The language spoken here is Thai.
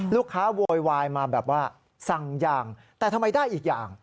โวยวายมาแบบว่าสั่งยางแต่ทำไมได้อีกอย่าง